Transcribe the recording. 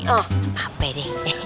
oh apa deh